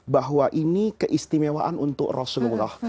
bahwa ini keistimewaan untuk rasulullah